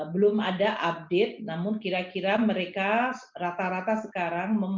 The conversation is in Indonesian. belum ada update namun kira kira mereka rata rata sekarang